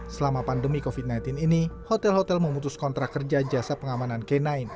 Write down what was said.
selama pandemi covid sembilan belas ini hotel hotel memutus kontrak kerja jasa pengamanan k sembilan